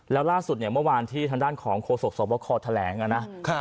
แล้วล่าสุดเนี่ยเมื่อวานที่ทางด้านของโฆษกสวบคอแถลงนะ